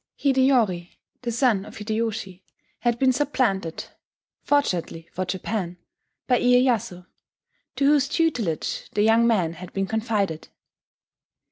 Hideyori, the son of Hideyoshi, had been supplanted fortunately for Japan by Iyeyasu, to whose tutelage the young man had been confided.